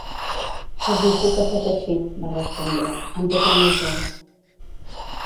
"Desitjo que fos així," va respondre, "amb tot el meu cor".